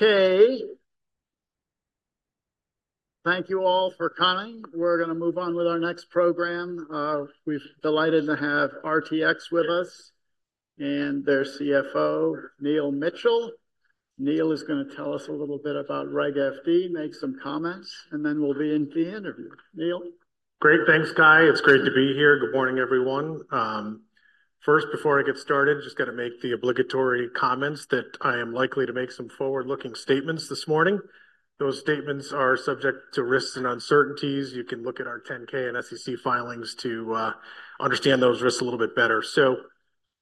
Okay. Thank you all for coming. We're going to move on with our next program. We're delighted to have RTX with us and their CFO, Neil Mitchill. Neil is going to tell us a little bit about Reg FD, make some comments, and then we'll be in the interview. Neil? Great. Thanks, Cai. It's great to be here. Good morning, everyone. First, before I get started, just got to make the obligatory comments that I am likely to make some forward-looking statements this morning. Those statements are subject to risks and uncertainties. You can look at our 10-K and SEC filings to understand those risks a little bit better. So,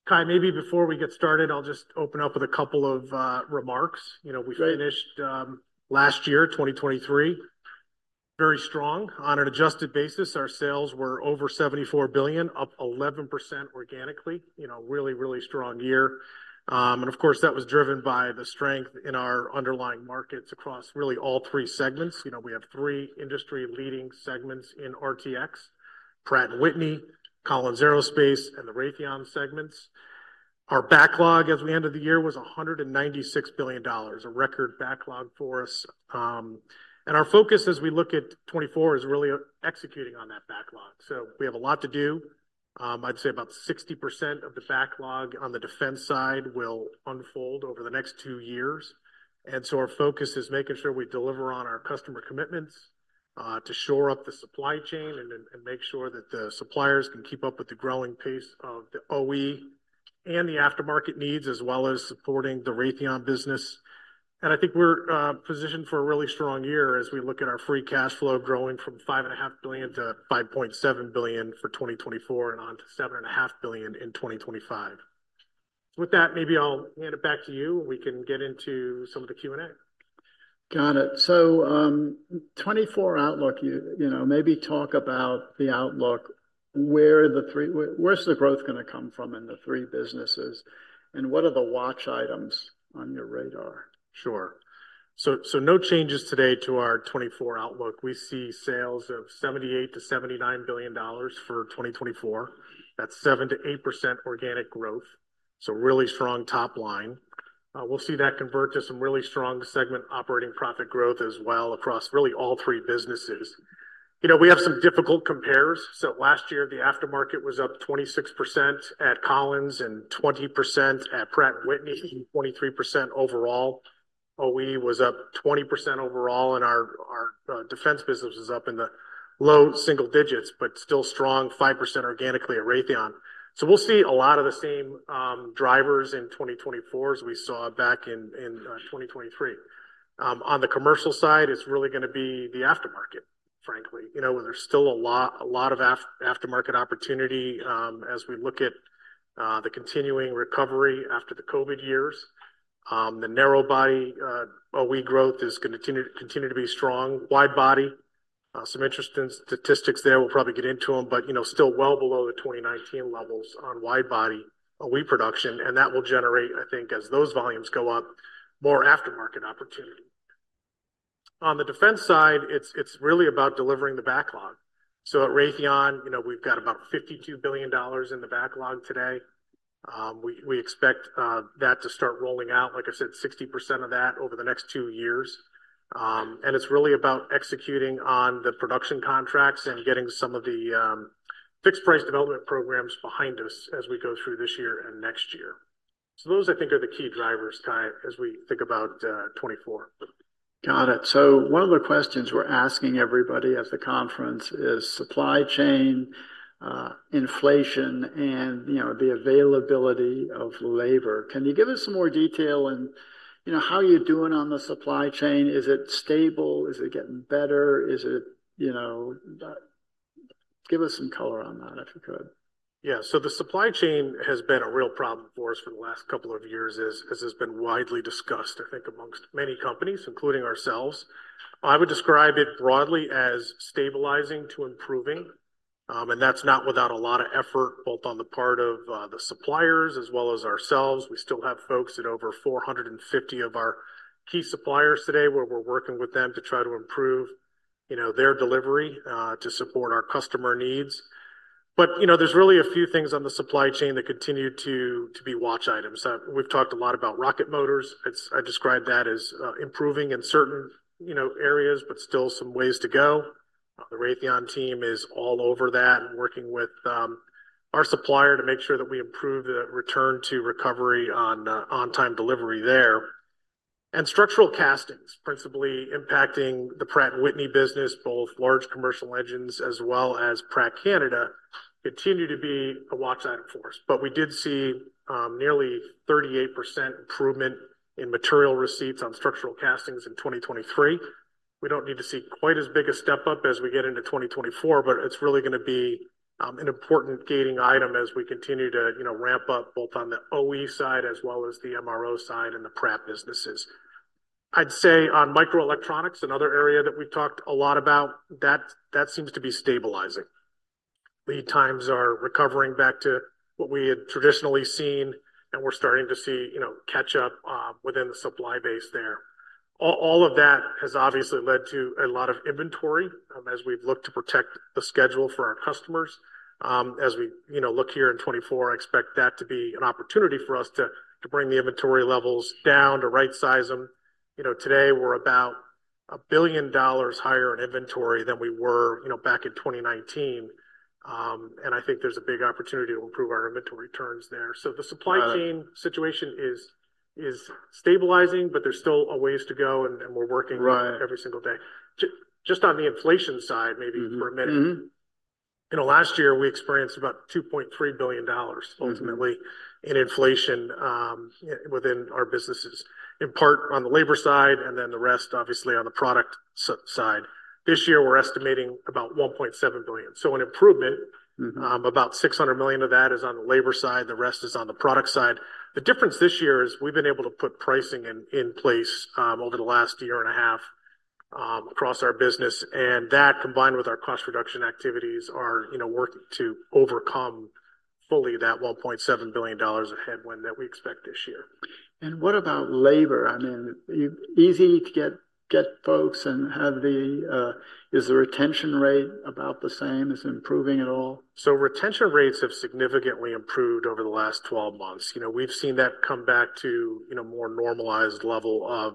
Cai, maybe before we get started, I'll just open up with a couple of remarks. You know, we finished last year, 2023, very strong. On an adjusted basis, our sales were over $74 billion, up 11% organically. You know, really, really strong year. And of course, that was driven by the strength in our underlying markets across really all three segments. You know, we have three industry-leading segments in RTX: Pratt & Whitney, Collins Aerospace, and the Raytheon segments. Our backlog as we ended the year was $196 billion, a record backlog for us. And our focus as we look at 2024 is really executing on that backlog. So we have a lot to do. I'd say about 60% of the backlog on the defense side will unfold over the next two years. And so our focus is making sure we deliver on our customer commitments, to shore up the supply chain and make sure that the suppliers can keep up with the growing pace of the OE and the aftermarket needs, as well as supporting the Raytheon business. And I think we're positioned for a really strong year as we look at our free cash flow growing from $5.5 billion to $5.7 billion for 2024 and on to $7.5 billion in 2025. With that, maybe I'll hand it back to you. We can get into some of the Q&A. Got it. So, 2024 outlook, you you know, maybe talk about the outlook. Where are the three where's the growth going to come from in the three businesses? And what are the watch items on your radar? Sure. So no changes today to our 2024 outlook. We see sales of $78 billion-$79 billion for 2024. That's 7%-8% organic growth. So really strong top line. We'll see that convert to some really strong segment operating profit growth as well across really all three businesses. You know, we have some difficult compares. So last year, the aftermarket was up 26% at Collins and 20% at Pratt & Whitney and 23% overall. OE was up 20% overall, and our defense business is up in the low single digits, but still strong, 5% organically at Raytheon. So we'll see a lot of the same drivers in 2024 as we saw back in 2023. On the commercial side, it's really going to be the aftermarket, frankly. You know, there's still a lot a lot of aftermarket opportunity, as we look at the continuing recovery after the COVID years. The narrow-body OE growth is going to continue to continue to be strong. Wide-body, some interesting statistics there. We'll probably get into them, but you know, still well below the 2019 levels on wide-body OE production. And that will generate, I think, as those volumes go up, more aftermarket opportunity. On the defense side, it's it's really about delivering the backlog. So at Raytheon, you know, we've got about $52 billion in the backlog today. We expect that to start rolling out, like I said, 60% of that over the next two years. And it's really about executing on the production contracts and getting some of the fixed-price development programs behind us as we go through this year and next year. Those, I think, are the key drivers, Cai, as we think about 2024. Got it. So one of the questions we're asking everybody at the conference is supply chain, inflation, and, you know, the availability of labor. Can you give us some more detail and, you know, how you're doing on the supply chain? Is it stable? Is it getting better? Is it, you know, give us some color on that if you could. Yeah. So the supply chain has been a real problem for us for the last couple of years, as has been widely discussed, I think, amongst many companies, including ourselves. I would describe it broadly as stabilizing to improving. And that's not without a lot of effort, both on the part of the suppliers as well as ourselves. We still have folks at over 450 of our key suppliers today where we're working with them to try to improve, you know, their delivery, to support our customer needs. But you know, there's really a few things on the supply chain that continue to be watch items. We've talked a lot about rocket motors. I describe that as improving in certain, you know, areas, but still some ways to go. The Raytheon team is all over that and working with our supplier to make sure that we improve the return to recovery on on-time delivery there. Structural castings, principally impacting the Pratt & Whitney business, both large commercial engines as well as Pratt Canada, continue to be a watch item for us. But we did see nearly 38% improvement in material receipts on structural castings in 2023. We don't need to see quite as big a step up as we get into 2024, but it's really going to be an important gating item as we continue to, you know, ramp up both on the OE side as well as the MRO side and the Pratt businesses. I'd say on microelectronics, another area that we've talked a lot about, that that seems to be stabilizing. Lead times are recovering back to what we had traditionally seen, and we're starting to see, you know, catch up within the supply base there. All of that has obviously led to a lot of inventory, as we've looked to protect the schedule for our customers. As we, you know, look here in 2024, I expect that to be an opportunity for us to bring the inventory levels down, to right-size them. You know, today we're about $1 billion higher in inventory than we were, you know, back in 2019. And I think there's a big opportunity to improve our inventory turns there. So the supply chain situation is stabilizing, but there's still a ways to go, and we're working every single day. Just on the inflation side, maybe for a minute. You know, last year we experienced about $2.3 billion ultimately in inflation, within our businesses, in part on the labor side and then the rest, obviously, on the product side. This year we're estimating about $1.7 billion. So an improvement, about $600 million of that is on the labor side. The rest is on the product side. The difference this year is we've been able to put pricing in in place, over the last year and a half, across our business. And that combined with our cost reduction activities are, you know, working to overcome fully that $1.7 billion a headwind that we expect this year. What about labor? I mean, is it easy to get folks and have the, is the retention rate about the same? Is it improving at all? So retention rates have significantly improved over the last 12 months. You know, we've seen that come back to, you know, more normalized level of,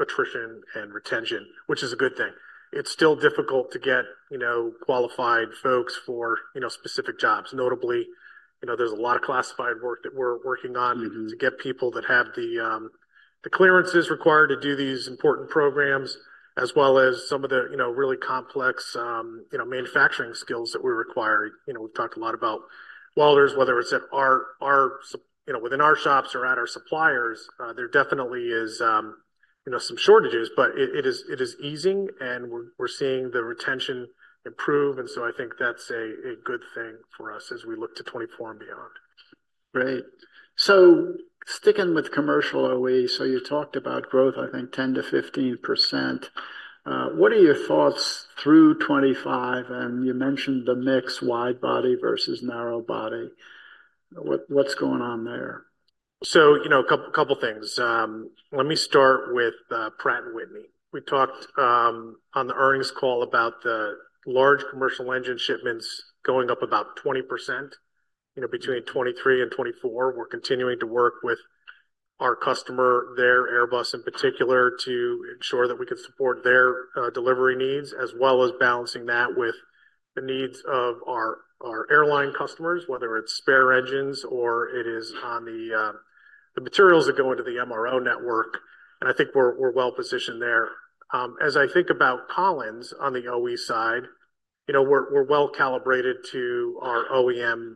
attrition and retention, which is a good thing. It's still difficult to get, you know, qualified folks for, you know, specific jobs. Notably, you know, there's a lot of classified work that we're working on to get people that have the, the clearances required to do these important programs, as well as some of the, you know, really complex, you know, manufacturing skills that we require. You know, we've talked a lot about welders, whether it's at our, you know, within our shops or at our suppliers. There definitely is, you know, some shortages, but it is easing, and we're seeing the retention improve. And so I think that's a good thing for us as we look to 2024 and beyond. Great. So sticking with commercial OE, so you talked about growth, I think, 10%-15%. What are your thoughts through 2025? And you mentioned the mix, wide-body versus narrow-body. What’s going on there? So, you know, a couple of things. Let me start with Pratt & Whitney. We talked on the earnings call about the large commercial engine shipments going up about 20%, you know, between 2023 and 2024. We're continuing to work with our customer, there, Airbus in particular, to ensure that we can support their delivery needs, as well as balancing that with the needs of our airline customers, whether it's spare engines or it is the materials that go into the MRO network. And I think we're well positioned there. As I think about Collins on the OE side, you know, we're well calibrated to our OEM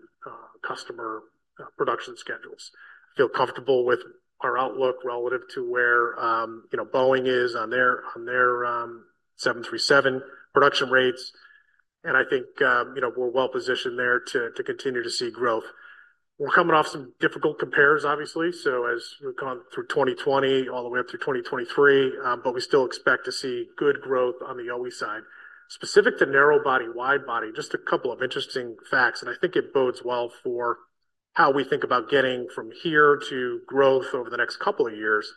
customer production schedules. I feel comfortable with our outlook relative to where, you know, Boeing is on their 737 production rates. I think, you know, we're well positioned there to continue to see growth. We're coming off some difficult compares, obviously. As we've gone through 2020 all the way up through 2023, but we still expect to see good growth on the OE side. Specific to narrow-body, wide-body, just a couple of interesting facts, and I think it bodes well for how we think about getting from here to growth over the next couple of years.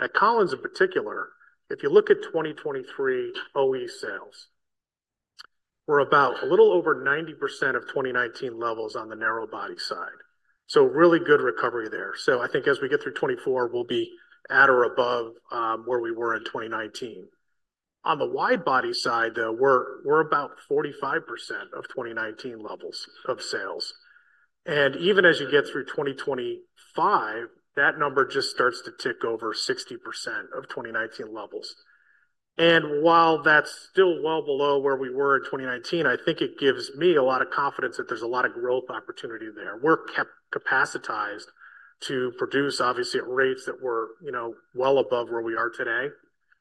At Collins in particular, if you look at 2023 OE sales, we're about a little over 90% of 2019 levels on the narrow-body side. Really good recovery there. I think as we get through 2024, we'll be at or above where we were in 2019. On the wide-body side, though, we're about 45% of 2019 levels of sales. Even as you get through 2025, that number just starts to tick over 60% of 2019 levels. While that's still well below where we were in 2019, I think it gives me a lot of confidence that there's a lot of growth opportunity there. We're kept capacitized to produce, obviously, at rates that were, you know, well above where we are today.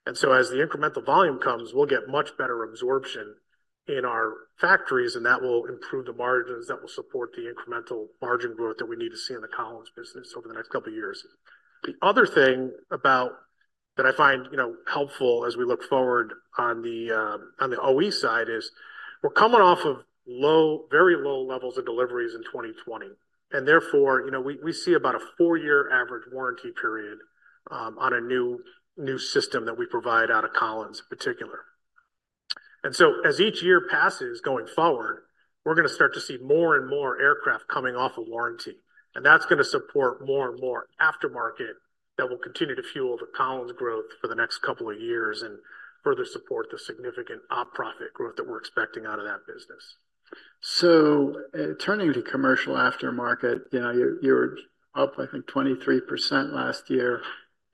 And so as the incremental volume comes, we'll get much better absorption in our factories, and that will improve the margins that will support the incremental margin growth that we need to see in the Collins business over the next couple of years. The other thing about that I find, you know, helpful as we look forward on the OE side is we're coming off of low, very low levels of deliveries in 2020. Therefore, you know, we see about a four-year average warranty period on a new system that we provide out of Collins in particular. And so as each year passes going forward, we're going to start to see more and more aircraft coming off of warranty. And that's going to support more and more aftermarket that will continue to fuel the Collins growth for the next couple of years and further support the significant op profit growth that we're expecting out of that business. So turning to commercial aftermarket, you know, you're up, I think, 23% last year.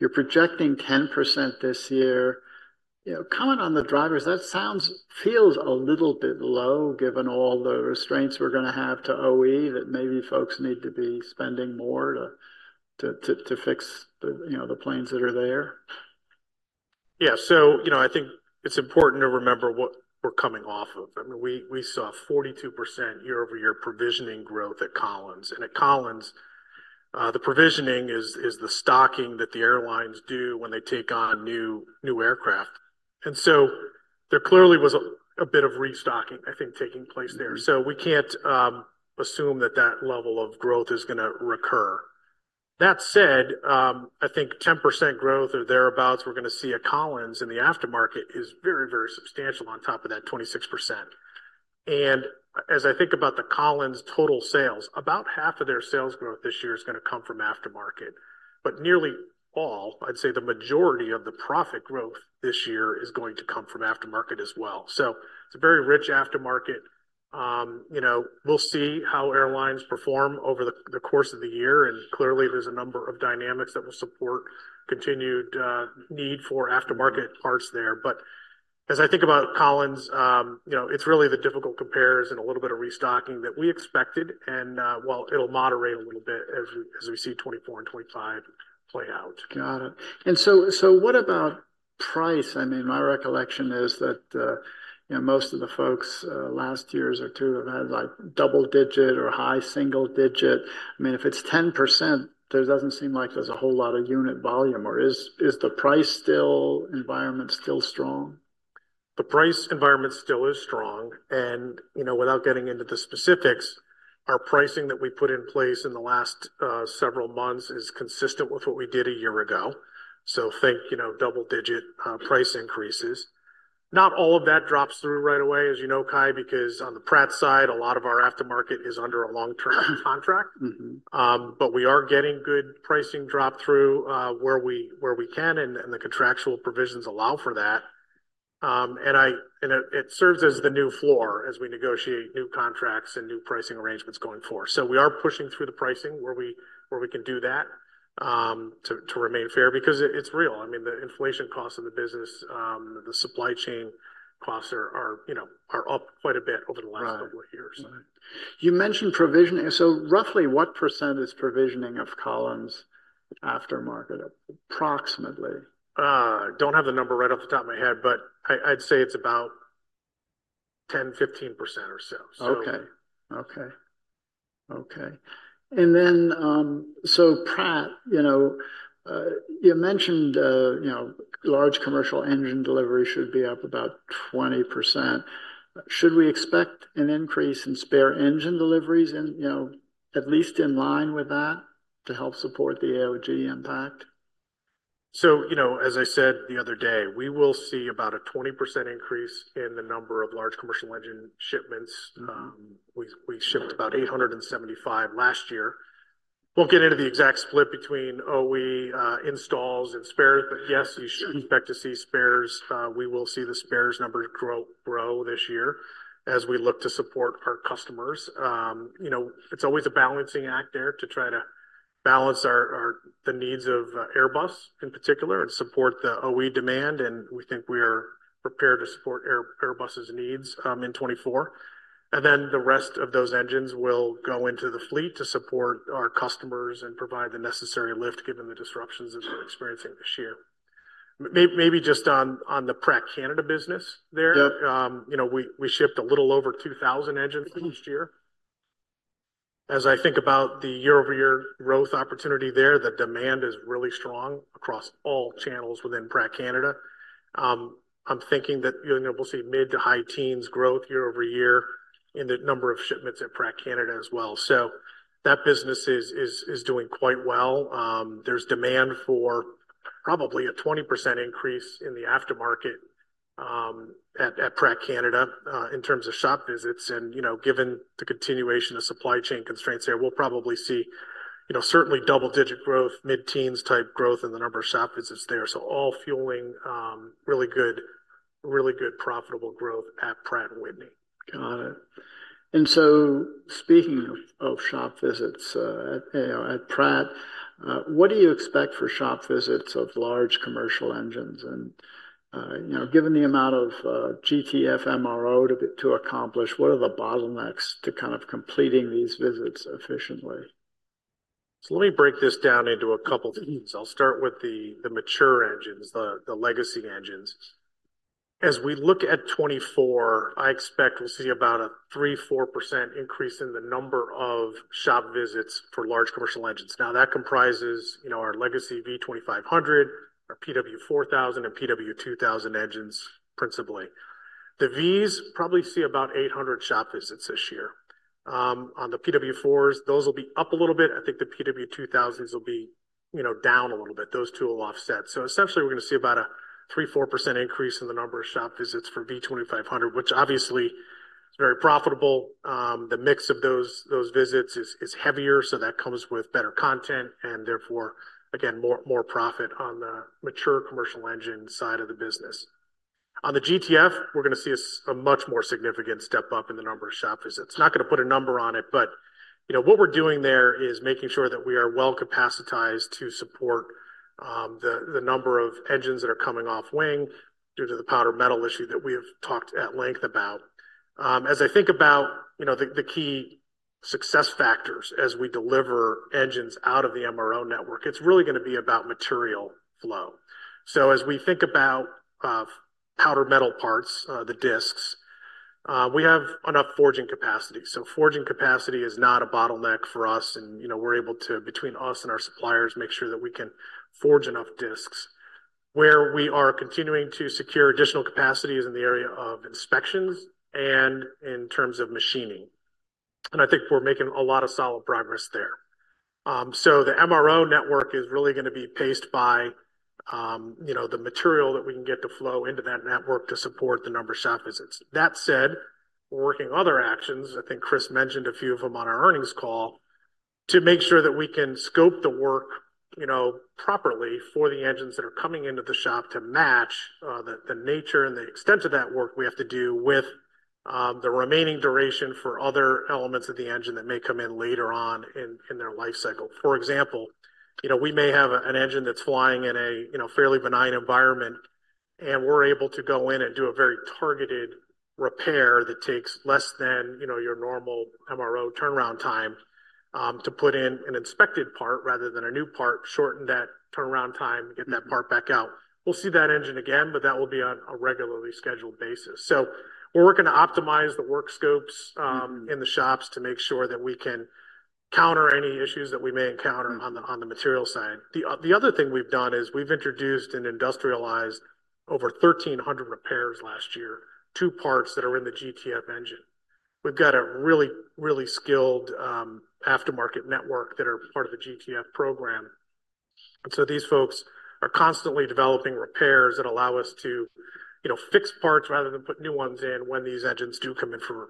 You're projecting 10% this year. You know, comment on the drivers. That sounds feels a little bit low given all the restraints we're going to have to OE that maybe folks need to be spending more to fix the, you know, the planes that are there. Yeah. So, you know, I think it's important to remember what we're coming off of. I mean, we saw 42% year-over-year provisioning growth at Collins. And at Collins, the provisioning is the stocking that the airlines do when they take on new aircraft. And so there clearly was a bit of restocking, I think, taking place there. So we can't assume that level of growth is going to recur. That said, I think 10% growth or thereabouts we're going to see at Collins in the aftermarket is very, very substantial on top of that 26%. And as I think about the Collins total sales, about half of their sales growth this year is going to come from aftermarket. But nearly all, I'd say the majority of the profit growth this year is going to come from aftermarket as well. So it's a very rich aftermarket. You know, we'll see how airlines perform over the course of the year. And clearly, there's a number of dynamics that will support continued need for aftermarket parts there. But as I think about Collins, you know, it's really the difficult compares and a little bit of restocking that we expected. And, well, it'll moderate a little bit as we see 2024 and 2025 play out. Got it. So what about price? I mean, my recollection is that, you know, most of the folks, last year or two have had like double-digit or high single-digit. I mean, if it's 10%, there doesn't seem like there's a whole lot of unit volume. Or is the price environment still strong? The price environment still is strong. You know, without getting into the specifics, our pricing that we put in place in the last several months is consistent with what we did a year ago. So think, you know, double-digit price increases. Not all of that drops through right away, as you know, Cai, because on the Pratt side, a lot of our aftermarket is under a long-term contract. But we are getting good pricing drop through, where we can and the contractual provisions allow for that. And it serves as the new floor as we negotiate new contracts and new pricing arrangements going forward. So we are pushing through the pricing where we can do that, to remain fair because it's real. I mean, the inflation costs of the business, the supply chain costs are, you know, up quite a bit over the last couple of years. Right. You mentioned provision. So roughly what percent is provisioning of Collins aftermarket approximately? don't have the number right off the top of my head, but I'd say it's about 10%-15% or so. Okay. Okay. Okay. Pratt, you know, you mentioned, you know, large commercial engine delivery should be up about 20%. Should we expect an increase in spare engine deliveries, you know, at least in line with that to help support the AOG impact? So, you know, as I said the other day, we will see about a 20% increase in the number of large commercial engine shipments. We shipped about 875 last year. We'll get into the exact split between OE, installs and spares. But yes, you should expect to see spares. We will see the spares numbers grow this year as we look to support our customers. You know, it's always a balancing act there to try to balance our the needs of Airbus in particular and support the OE demand. And we think we are prepared to support Airbus's needs in 2024. And then the rest of those engines will go into the fleet to support our customers and provide the necessary lift given the disruptions that we're experiencing this year. Maybe just on the Pratt & Whitney Canada business there. You know, we we shipped a little over 2,000 engines last year. As I think about the year-over-year growth opportunity there, the demand is really strong across all channels within Pratt Canada. I'm thinking that, you know, we'll see mid- to high-teens growth year-over-year in the number of shipments at Pratt Canada as well. So that business is is is doing quite well. There's demand for probably a 20% increase in the aftermarket, at at Pratt Canada, in terms of shop visits. And, you know, given the continuation of supply chain constraints there, we'll probably see, you know, certainly double-digit growth, mid-teens-type growth in the number of shop visits there. So all fueling, really good really good profitable growth at Pratt & Whitney. Got it. And so speaking of shop visits, at—you know—at Pratt, what do you expect for shop visits of large commercial engines? And, you know, given the amount of GTF MRO to accomplish, what are the bottlenecks to kind of completing these visits efficiently? So let me break this down into a couple of things. I'll start with the mature engines, the legacy engines. As we look at 2024, I expect we'll see about a 3%-4% increase in the number of shop visits for large commercial engines. Now that comprises, you know, our legacy V2500, our PW4000 and PW2000 engines principally. The Vs probably see about 800 shop visits this year. On the PW4s, those will be up a little bit. I think the PW2000s will be, you know, down a little bit. Those two will offset. So essentially, we're going to see about a 3%-4% increase in the number of shop visits for V2500, which obviously is very profitable. The mix of those visits is heavier. So that comes with better content and therefore, again, more profit on the mature commercial engine side of the business. On the GTF, we're going to see a much more significant step up in the number of shop visits. Not going to put a number on it, but you know, what we're doing there is making sure that we are well capacitized to support the number of engines that are coming off wing due to the powder metal issue that we have talked at length about. As I think about, you know, the key success factors as we deliver engines out of the MRO network, it's really going to be about material flow. So as we think about powder metal parts, the discs, we have enough forging capacity. So forging capacity is not a bottleneck for us. You know, we're able to, between us and our suppliers, make sure that we can forge enough discs where we are continuing to secure additional capacities in the area of inspections and in terms of machining. And I think we're making a lot of solid progress there. So the MRO network is really going to be paced by, you know, the material that we can get to flow into that network to support the number of shop visits. That said, we're working other actions. I think Chris mentioned a few of them on our earnings call to make sure that we can scope the work, you know, properly for the engines that are coming into the shop to match the nature and the extent of that work we have to do with the remaining duration for other elements of the engine that may come in later on in their lifecycle. For example, you know, we may have an engine that's flying in a, you know, fairly benign environment. And we're able to go in and do a very targeted repair that takes less than, you know, your normal MRO turnaround time, to put in an inspected part rather than a new part, shorten that turnaround time, get that part back out. We'll see that engine again, but that will be on a regularly scheduled basis. So we're working to optimize the work scopes in the shops to make sure that we can counter any issues that we may encounter on the material side. The other thing we've done is we've introduced and industrialized over 1,300 repairs last year to parts that are in the GTF engine. We've got a really, really skilled aftermarket network that are part of the GTF program. And so these folks are constantly developing repairs that allow us to, you know, fix parts rather than put new ones in when these engines do come in for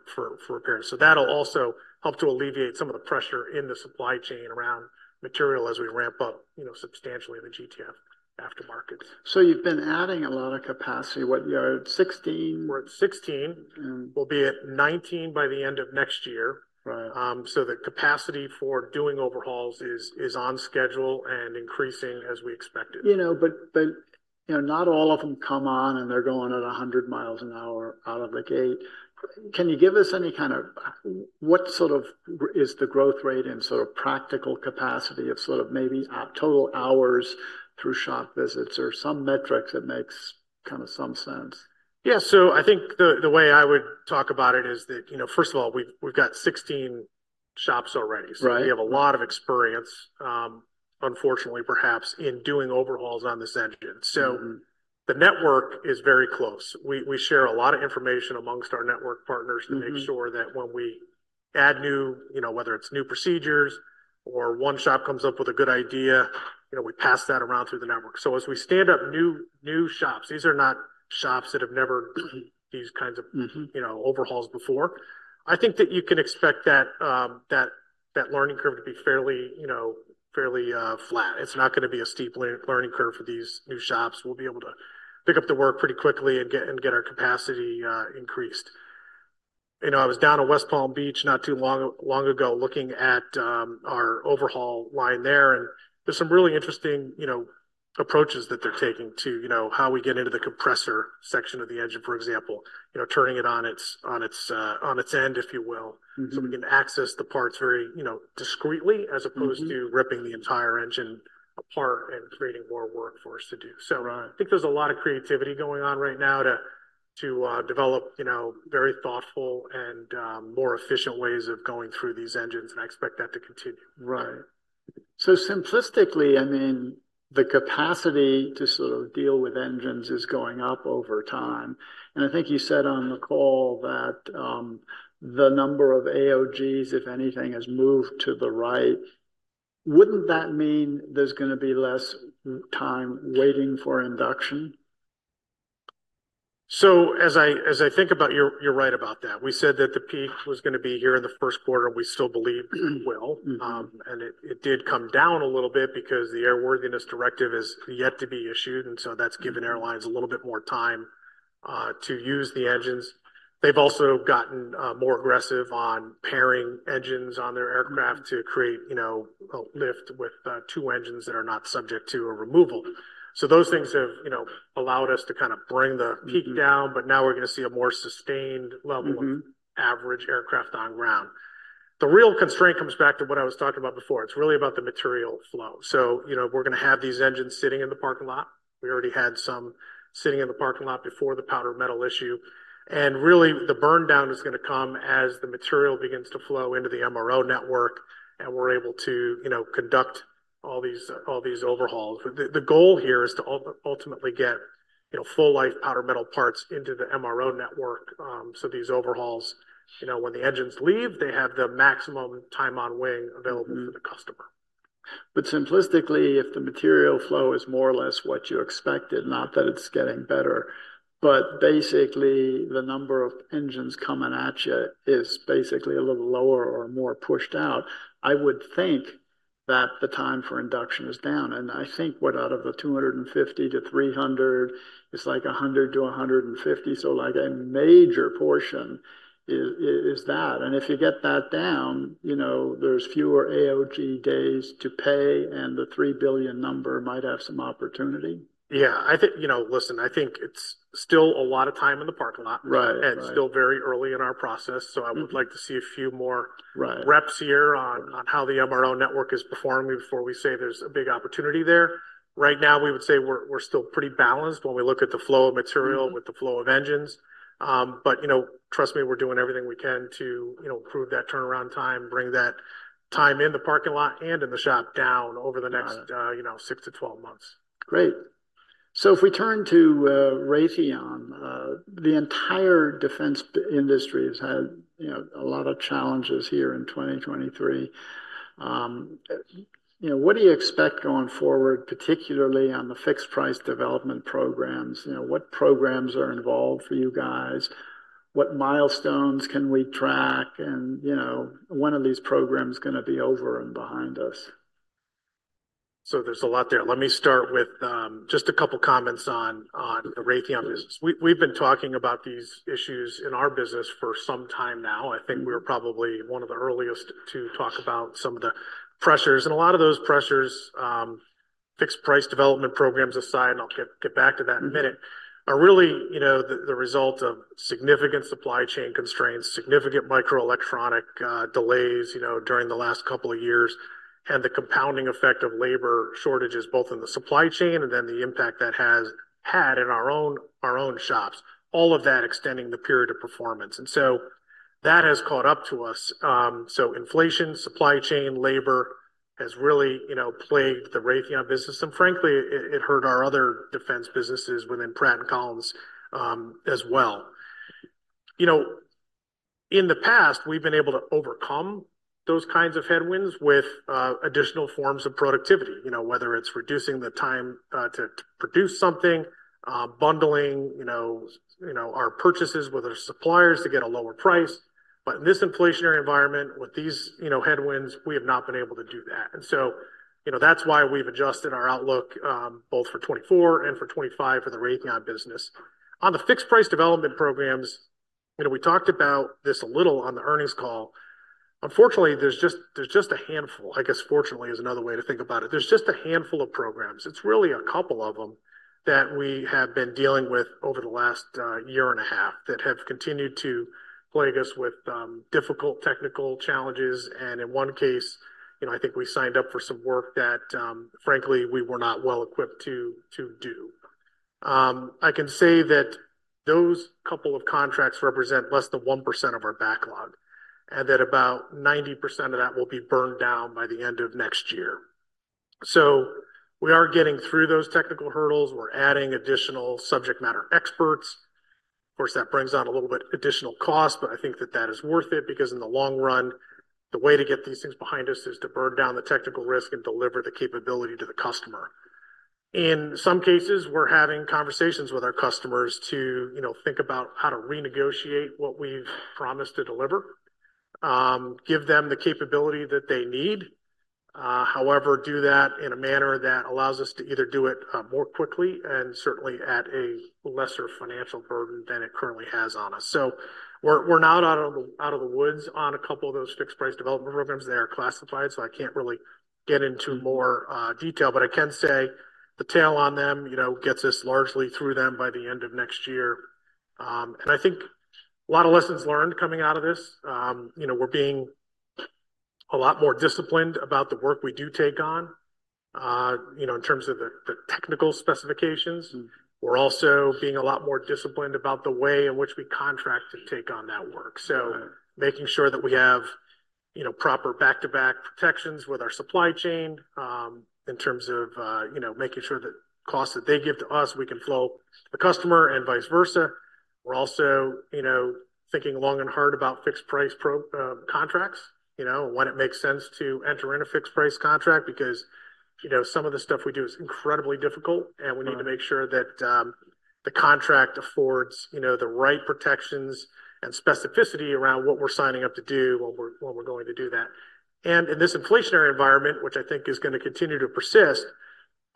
repairs. So that'll also help to alleviate some of the pressure in the supply chain around material as we ramp up, you know, substantially the GTF aftermarkets. So you've been adding a lot of capacity. What, you're at 16? We're at 16. We'll be at 19 by the end of next year. Right. So the capacity for doing overhauls is on schedule and increasing as we expected. You know, but you know, not all of them come on and they're going at 100 miles an hour out of the gate. Can you give us any kind of what sort of is the growth rate and sort of practical capacity of sort of maybe total hours through shop visits or some metrics that makes kind of some sense? Yeah. So I think the way I would talk about it is that, you know, first of all, we've got 16 shops already. So we have a lot of experience, unfortunately, perhaps in doing overhauls on this engine. So the network is very close. We share a lot of information among our network partners to make sure that when we add new, you know, whether it's new procedures or one shop comes up with a good idea, you know, we pass that around through the network. So as we stand up new shops, these are not shops that have never these kinds of, you know, overhauls before. I think that you can expect that learning curve to be fairly, you know, fairly flat. It's not going to be a steep learning curve for these new shops. We'll be able to pick up the work pretty quickly and get our capacity increased. You know, I was down at West Palm Beach not too long ago looking at our overhaul line there. There's some really interesting, you know, approaches that they're taking to, you know, how we get into the compressor section of the engine, for example, you know, turning it on its end, if you will, so we can access the parts very, you know, discreetly as opposed to ripping the entire engine apart and creating more work for us to do. So I think there's a lot of creativity going on right now to develop, you know, very thoughtful and more efficient ways of going through these engines. I expect that to continue. Right. So simplistically, I mean, the capacity to sort of deal with engines is going up over time. And I think you said on the call that, the number of AOGs, if anything, has moved to the right. Wouldn't that mean there's going to be less time waiting for induction? So, as I think about, you're right about that. We said that the peak was going to be here in the first quarter. We still believe it will. And it did come down a little bit because the Airworthiness Directive is yet to be issued. And so that's given airlines a little bit more time to use the engines. They've also gotten more aggressive on pairing engines on their aircraft to create, you know, a lift with two engines that are not subject to a removal. So those things have, you know, allowed us to kind of bring the peak down. But now we're going to see a more sustained level of average aircraft on ground. The real constraint comes back to what I was talking about before. It's really about the material flow. So, you know, we're going to have these engines sitting in the parking lot. We already had some sitting in the parking lot before the powder metal issue. Really, the burndown is going to come as the material begins to flow into the MRO network. And we're able to, you know, conduct all these overhauls. The goal here is to ultimately get, you know, full-life powder metal parts into the MRO network. So these overhauls, you know, when the engines leave, they have the maximum time on wing available for the customer. But simplistically, if the material flow is more or less what you expected, not that it's getting better, but basically the number of engines coming at you is basically a little lower or more pushed out. I would think that the time for induction is down. And I think what out of the 250-300 is like 100-150. So like a major portion is that. And if you get that down, you know, there's fewer AOG days to pay and the $3 billion number might have some opportunity. Yeah, I think, you know, listen, I think it's still a lot of time in the parking lot and still very early in our process. So I would like to see a few more reps here on how the MRO network is performing before we say there's a big opportunity there. Right now, we would say we're still pretty balanced when we look at the flow of material with the flow of engines. But, you know, trust me, we're doing everything we can to, you know, improve that turnaround time, bring that time in the parking lot and in the shop down over the next, you know, 6-12 months. Great. So if we turn to Raytheon, the entire defense industry has had, you know, a lot of challenges here in 2023. You know, what do you expect going forward, particularly on the fixed-price development programs? You know, what programs are involved for you guys? What milestones can we track? And, you know, when are these programs going to be over and behind us? So there's a lot there. Let me start with, just a couple of comments on the Raytheon business. We've been talking about these issues in our business for some time now. I think we were probably one of the earliest to talk about some of the pressures. And a lot of those pressures, fixed price development programs aside, and I'll get back to that in a minute, are really, you know, the result of significant supply chain constraints, significant microelectronic delays, you know, during the last couple of years. And the compounding effect of labor shortages, both in the supply chain and then the impact that has had in our own shops, all of that extending the period of performance. And so that has caught up to us. So inflation, supply chain, labor has really, you know, plagued the Raytheon business. Frankly, it hurt our other defense businesses within Pratt & Collins, as well. You know, in the past, we've been able to overcome those kinds of headwinds with additional forms of productivity, you know, whether it's reducing the time to produce something, bundling, you know, our purchases with our suppliers to get a lower price. But in this inflationary environment with these, you know, headwinds, we have not been able to do that. So, you know, that's why we've adjusted our outlook, both for 2024 and for 2025 for the Raytheon business. On the fixed price development programs. You know, we talked about this a little on the earnings call. Unfortunately, there's just a handful, I guess, fortunately is another way to think about it. There's just a handful of programs. It's really a couple of them that we have been dealing with over the last year and a half that have continued to plague us with difficult technical challenges. And in one case, you know, I think we signed up for some work that, frankly, we were not well equipped to do. I can say that those couple of contracts represent less than 1% of our backlog. And that about 90% of that will be burned down by the end of next year. So we are getting through those technical hurdles. We're adding additional subject matter experts. Of course, that brings on a little bit additional cost, but I think that is worth it because in the long run, the way to get these things behind us is to burn down the technical risk and deliver the capability to the customer. In some cases, we're having conversations with our customers to, you know, think about how to renegotiate what we've promised to deliver. Give them the capability that they need. However, do that in a manner that allows us to either do it more quickly and certainly at a lesser financial burden than it currently has on us. So we're not out of the woods on a couple of those fixed-price development programs. They are classified, so I can't really get into more detail, but I can say the tail on them, you know, gets us largely through them by the end of next year. And I think a lot of lessons learned coming out of this. You know, we're being a lot more disciplined about the work we do take on. You know, in terms of the technical specifications. We're also being a lot more disciplined about the way in which we contract to take on that work. So making sure that we have, you know, proper back-to-back protections with our supply chain. In terms of, you know, making sure that costs that they give to us, we can flow the customer and vice versa. We're also, you know, thinking long and hard about fixed-price contracts, you know, when it makes sense to enter in a fixed-price contract because you know, some of the stuff we do is incredibly difficult and we need to make sure that the contract affords, you know, the right protections and specificity around what we're signing up to do when we're going to do that. And in this inflationary environment, which I think is going to continue to persist.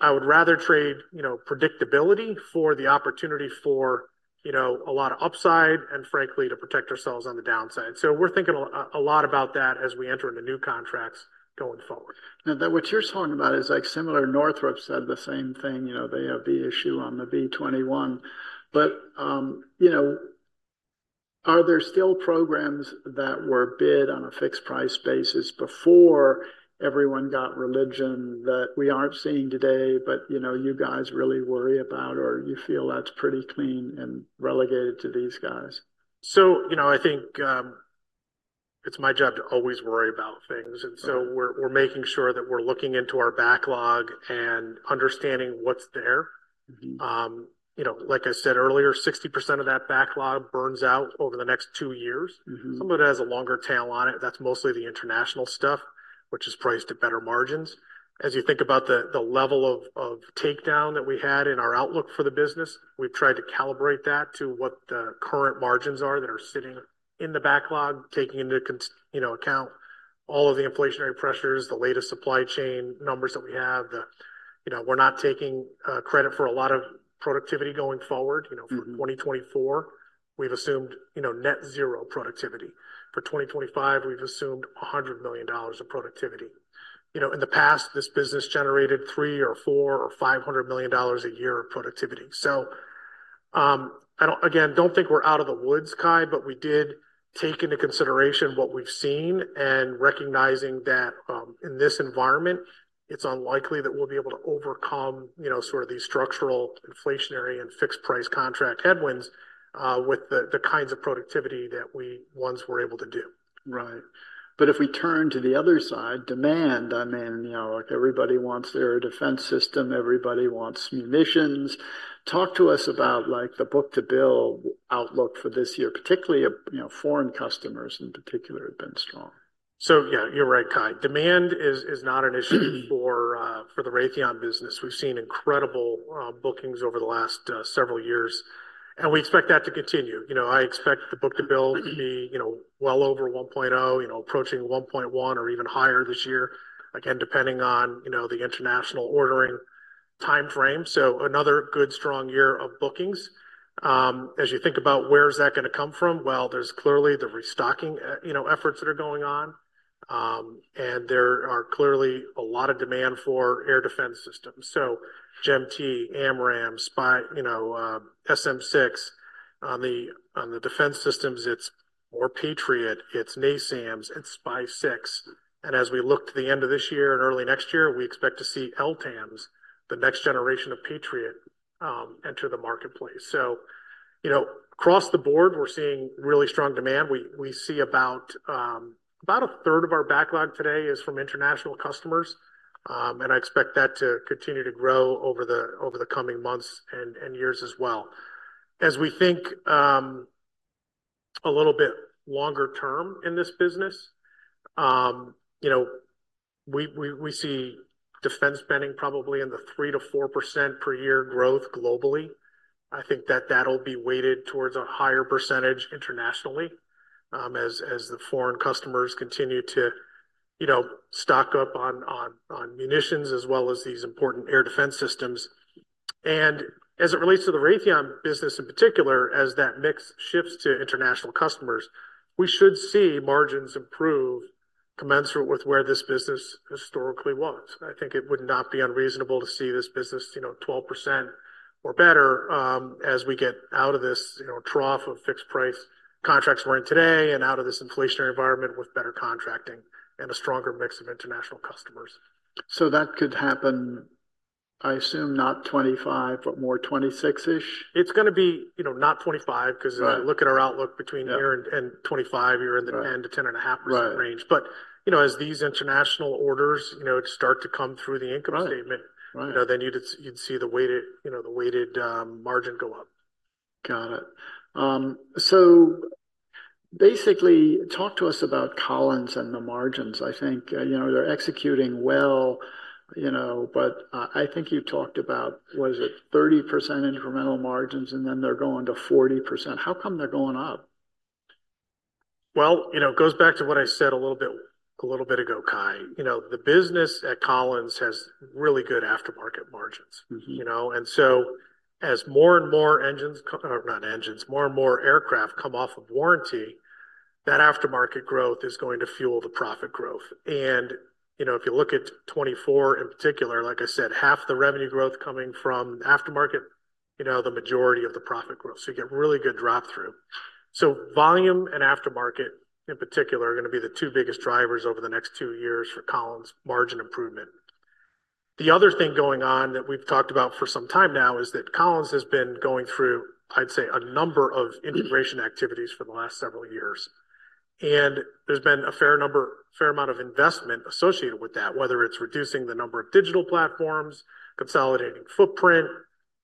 I would rather trade, you know, predictability for the opportunity for, you know, a lot of upside and frankly, to protect ourselves on the downside. So we're thinking a lot about that as we enter into new contracts going forward. Now, what you're talking about is like similar Northrop said the same thing. You know, they have the issue on the B-21. But, you know, are there still programs that were bid on a fixed-price basis before everyone got religion that we aren't seeing today, but you know, you guys really worry about or you feel that's pretty clean and relegated to these guys? So, you know, I think it's my job to always worry about things. And so we're making sure that we're looking into our backlog and understanding what's there. You know, like I said earlier, 60% of that backlog burns out over the next two years. Some of it has a longer tail on it. That's mostly the international stuff, which is priced at better margins. As you think about the level of takedown that we had in our outlook for the business, we've tried to calibrate that to what the current margins are that are sitting in the backlog, taking into, you know, account all of the inflationary pressures, the latest supply chain numbers that we have, the you know, we're not taking credit for a lot of productivity going forward, you know, for 2024. We've assumed, you know, net zero productivity. For 2025, we've assumed $100 million of productivity. You know, in the past, this business generated 3 or 4 or $500 million a year of productivity. So I don't again, don't think we're out of the woods, Cai, but we did take into consideration what we've seen and recognizing that in this environment, it's unlikely that we'll be able to overcome, you know, sort of these structural inflationary and fixed price contract headwinds with the kinds of productivity that we once were able to do. Right. But if we turn to the other side, demand, I mean, you know, like everybody wants their defense system. Everybody wants munitions. Talk to us about like the book-to-bill outlook for this year, particularly, you know, foreign customers in particular have been strong. So yeah, you're right, Cai. Demand is not an issue for the Raytheon business. We've seen incredible bookings over the last several years. And we expect that to continue. You know, I expect the book-to-bill to be, you know, well over 1.0, you know, approaching 1.1 or even higher this year. Again, depending on, you know, the international ordering timeframe. So another good strong year of bookings. As you think about where's that going to come from? Well, there's clearly the restocking, you know, efforts that are going on. And there are clearly a lot of demand for air defense systems. So GEM-T, AMRAAM, SPY-6, you know, SM-6. On the defense systems, it's more Patriot, it's NASAMS, it's SPY-6. As we look to the end of this year and early next year, we expect to see LTAMDS, the next generation of Patriot, enter the marketplace. So, you know, across the board, we're seeing really strong demand. We see about a third of our backlog today is from international customers. And I expect that to continue to grow over the coming months and years as well. As we think a little bit longer term in this business. You know, we see defense spending probably in the 3%-4% per year growth globally. I think that that'll be weighted towards a higher percentage internationally. As the foreign customers continue to, you know, stock up on munitions as well as these important air defense systems. As it relates to the Raytheon business in particular, as that mix shifts to international customers, we should see margins improve commensurate with where this business historically was. I think it would not be unreasonable to see this business, you know, 12% or better as we get out of this, you know, trough of fixed price contracts we're in today and out of this inflationary environment with better contracting and a stronger mix of international customers. That could happen. I assume not 25, but more 26-ish. It's going to be, you know, not 25 because look at our outlook between here and 2025, you're in the 10%-10.5% range. But you know, as these international orders, you know, start to come through the income statement, you know, then you'd see the weighted, you know, the weighted margin go up. Got it. So basically talk to us about Collins and the margins. I think, you know, they're executing well, you know, but I think you talked about, was it 30% incremental margins and then they're going to 40%? How come they're going up? Well, you know, it goes back to what I said a little bit a little bit ago, Cai. You know, the business at Collins has really good aftermarket margins, you know? And so as more and more engines or not engines, more and more aircraft come off of warranty, that aftermarket growth is going to fuel the profit growth. And you know, if you look at 2024 in particular, like I said, half the revenue growth coming from aftermarket, you know, the majority of the profit growth. So you get really good drop through. So volume and aftermarket in particular are going to be the two biggest drivers over the next two years for Collins margin improvement. The other thing going on that we've talked about for some time now is that Collins has been going through, I'd say, a number of integration activities for the last several years. And there's been a fair number, fair amount of investment associated with that, whether it's reducing the number of digital platforms, consolidating footprint,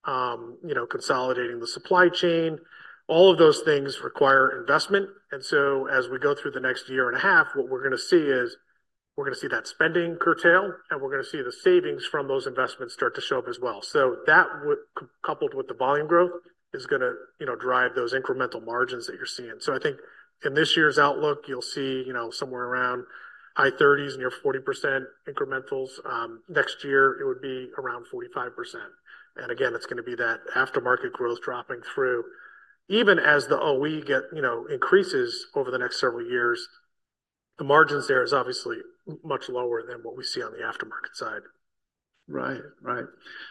you know, consolidating the supply chain. All of those things require investment. And so as we go through the next year and a half, what we're going to see is we're going to see that spending curtail and we're going to see the savings from those investments start to show up as well. So that would coupled with the volume growth is going to, you know, drive those incremental margins that you're seeing. So I think in this year's outlook, you'll see, you know, somewhere around high 30s near 40% incrementals. Next year, it would be around 45%. And again, it's going to be that aftermarket growth dropping through. Even as the OE get, you know, increases over the next several years. The margins there are obviously much lower than what we see on the aftermarket side. Right, right.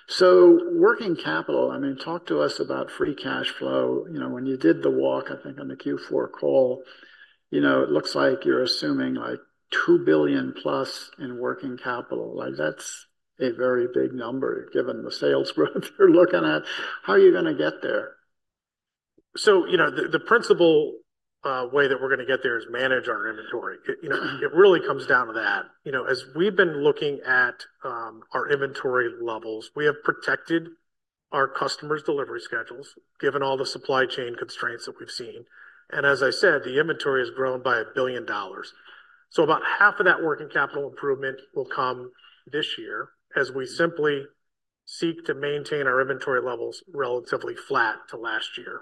So working capital, I mean, talk to us about free cash flow. You know, when you did the walk, I think on the Q4 call, you know, it looks like you're assuming like $2 billion plus in working capital. Like that's a very big number given the sales growth you're looking at. How are you going to get there? So, you know, the principal way that we're going to get there is manage our inventory. You know, it really comes down to that. You know, as we've been looking at our inventory levels, we have protected our customers' delivery schedules, given all the supply chain constraints that we've seen. As I said, the inventory has grown by $1 billion. So about half of that working capital improvement will come this year as we simply seek to maintain our inventory levels relatively flat to last year.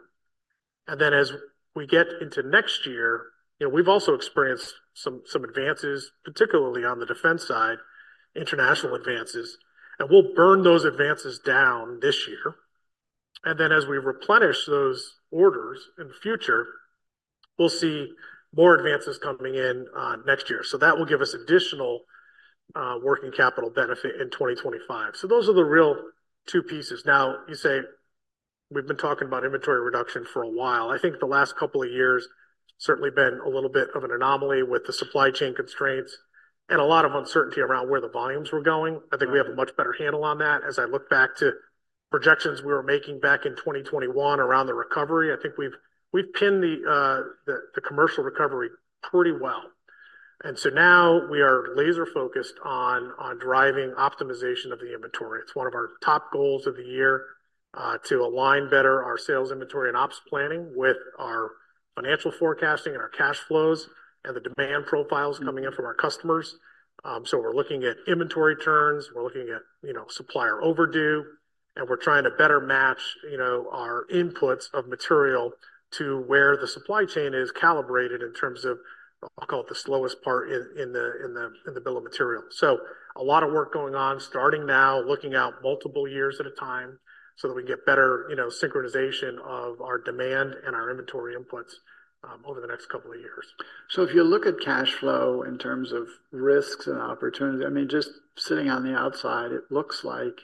Then as we get into next year, you know, we've also experienced some advances, particularly on the defense side, international advances, and we'll burn those advances down this year. Then as we replenish those orders in the future, we'll see more advances coming in next year. So that will give us additional working capital benefit in 2025. So those are the real two pieces. Now you say we've been talking about inventory reduction for a while. I think the last couple of years certainly been a little bit of an anomaly with the supply chain constraints. And a lot of uncertainty around where the volumes were going. I think we have a much better handle on that as I look back to projections we were making back in 2021 around the recovery. I think we've pinned the commercial recovery pretty well. And so now we are laser focused on driving optimization of the inventory. It's one of our top goals of the year to align better our sales inventory and ops planning with our financial forecasting and our cash flows and the demand profiles coming in from our customers. So we're looking at inventory turns. We're looking at, you know, supplier overdue. We're trying to better match, you know, our inputs of material to where the supply chain is calibrated in terms of I'll call it the slowest part in the bill of material. So a lot of work going on starting now, looking out multiple years at a time so that we get better, you know, synchronization of our demand and our inventory inputs over the next couple of years. So if you look at cash flow in terms of risks and opportunities, I mean, just sitting on the outside, it looks like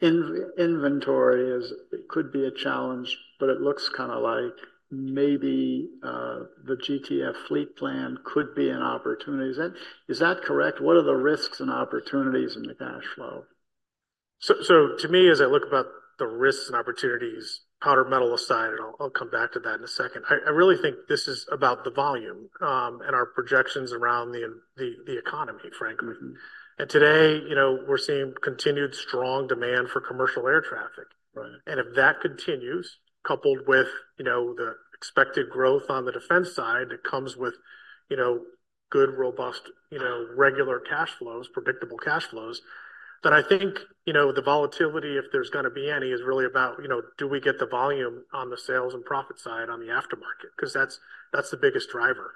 inventory—it could be a challenge, but it looks kind of like maybe the GTF fleet plan could be an opportunity. Is that correct? What are the risks and opportunities in the cash flow? So, to me, as I look about the risks and opportunities, powder metal aside, and I'll come back to that in a second. I really think this is about the volume and our projections around the economy, frankly. And today, you know, we're seeing continued strong demand for commercial air traffic. And if that continues coupled with, you know, the expected growth on the defense side that comes with, you know, good, robust, you know, regular cash flows, predictable cash flows. Then I think, you know, the volatility, if there's going to be any, is really about, you know, do we get the volume on the sales and profit side on the aftermarket? Because that's the biggest driver.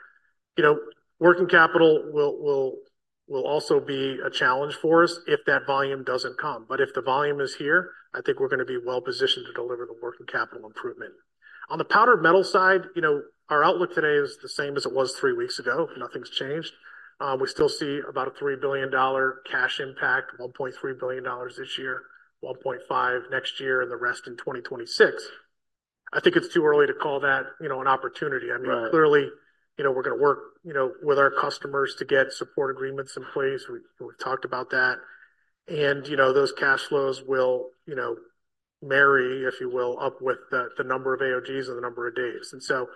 You know, working capital will also be a challenge for us if that volume doesn't come. But if the volume is here, I think we're going to be well positioned to deliver the working capital improvement. On the powder metal side, you know, our outlook today is the same as it was three weeks ago. Nothing's changed. We still see about a $3 billion cash impact, $1.3 billion this year, $1.5 next year, and the rest in 2026. I think it's too early to call that, you know, an opportunity. I mean, clearly, you know, we're going to work, you know, with our customers to get support agreements in place. We've talked about that. And you know, those cash flows will, you know, marry, if you will, up with the number of AOGs and the number of days. And so,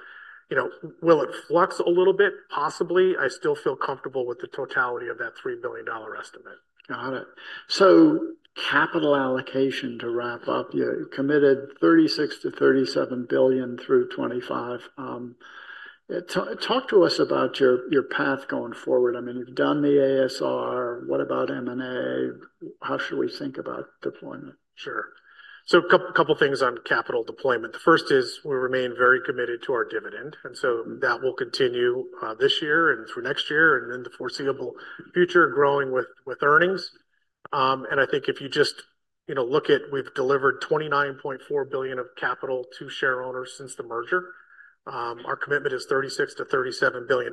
you know, will it flux a little bit? Possibly. I still feel comfortable with the totality of that $3 billion estimate. Got it. So, capital allocation to wrap up, you committed $36 billion-$37 billion through 2025. Talk to us about your your path going forward. I mean, you've done the ASR. What about M&A? How should we think about deployment? Sure. So a couple of things on capital deployment. The first is we remain very committed to our dividend. And so that will continue this year and through next year and in the foreseeable future growing with earnings. And I think if you just, you know, look at we've delivered $29.4 billion of capital to shareholders since the merger. Our commitment is $36-$37 billion.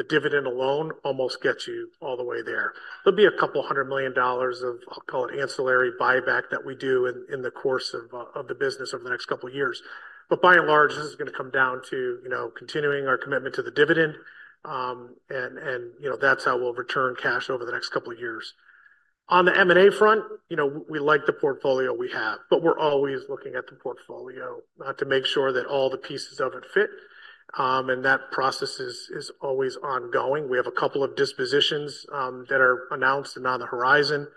The dividend alone almost gets you all the way there. There'll be a couple hundred million dollars of, I'll call it ancillary buyback that we do in the course of the business over the next couple of years. But by and large, this is going to come down to, you know, continuing our commitment to the dividend. And you know, that's how we'll return cash over the next couple of years. On the M&A front, you know, we like the portfolio we have, but we're always looking at the portfolio to make sure that all the pieces of it fit. That process is always ongoing. We have a couple of dispositions that are announced and on the horizon.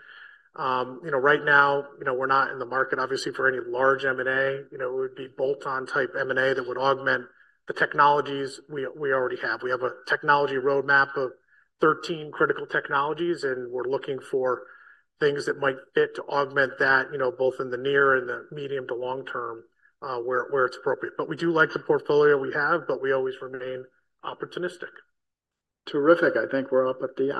You know, right now, you know, we're not in the market, obviously, for any large M&A. You know, it would be bolt-on type M&A that would augment the technologies we already have. We have a technology roadmap of 13 critical technologies and we're looking for things that might fit to augment that, you know, both in the near and the medium to long term where it's appropriate. We do like the portfolio we have, but we always remain opportunistic. Terrific. I think we're up at the.